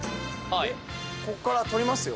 ここから取りますよ。